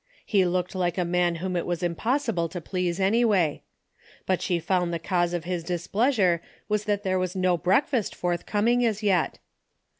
He looked like a man whom it was impossible to please anyway. But she found the cause of his displeasure was that there was no breakfast forthcoming as yet.